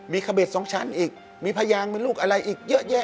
มีเคอบริสต์สองชั้นอีกมีพะยางลูกหลังอีกเยอะ